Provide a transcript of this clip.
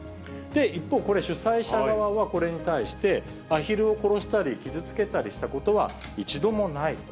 一方、これ主催者側は、これに対して、アヒルを殺したり、傷つけたりしたことは一度もないと。